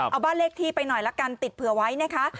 เอาบ้านเลขที่ไปหน่อยละกันติดเผื่อไว้นะคะ